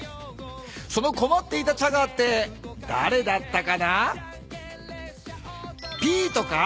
そのこまっていたチャガーってだれだったかな？